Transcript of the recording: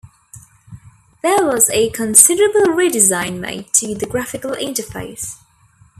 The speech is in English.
There was a considerable re-design made to the graphical interface.